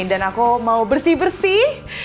dan aku mau bersih bersih